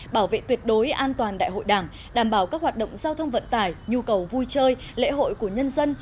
bảo vệ tuyệt đối an toàn đại hội đảng đảm bảo các hoạt động giao thông vận tải nhu cầu vui chơi lễ hội của nhân dân